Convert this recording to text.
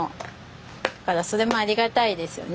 だからそれもありがたいですよね